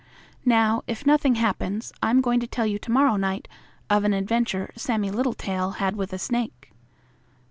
Now, if nothing happens, I am going to tell you to morrow night of an adventure Sammie Littletail had with a snake.